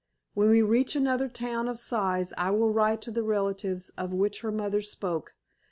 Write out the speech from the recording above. When we reach another town of size I will write to the relatives of which her mother spoke.